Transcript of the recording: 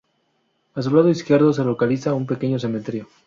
A su lado izquierdo, se localiza un pequeño cementerio.